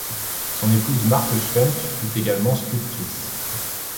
Son épouse Marthe Schwenk fut également sculptrice.